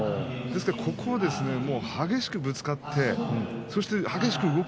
ですから、ここは激しくぶつかっていく。